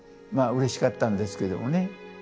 まあうれしかったんですけどもね。